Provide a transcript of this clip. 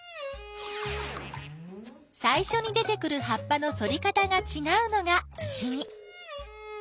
さいしょに出てくる葉っぱの反り方がちがうのがふしぎ。